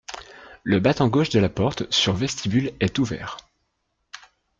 Le battant gauche de la porte sur vestibule est ouvert.